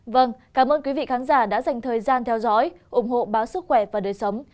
vâng cảm ơn quý vị khán giả đã dành thời gian theo dõi ủng hộ báo sức khỏe và đời sống